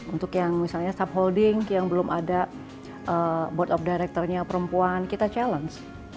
untuk yang misalnya staff holding yang belum ada board of director nya perempuan kita challenge